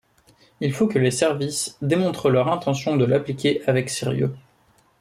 Il faut que les services démontrent leur intention de l'appliquer avec sérieux.